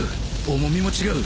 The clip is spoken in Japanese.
重みも違う！